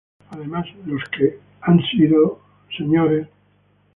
Además los que han sido Mr.